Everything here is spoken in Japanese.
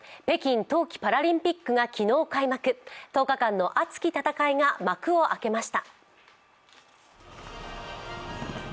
北京冬季パラリンピックが昨日開幕、１０日間の熱き戦いが幕を開けました。